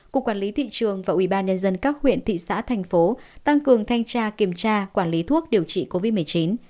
cục quản lý thị trường và ubnd các huyện thị xã thành phố tăng cường thanh tra kiểm tra quản lý thuốc điều trị covid một mươi chín